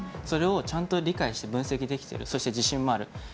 それをちゃんと理解して分析できてるそして、自信もある。